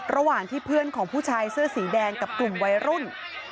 ระหว่างที่เพื่อนของผู้ชายเสื้อสีแดงกับกลุ่มวัยรุ่น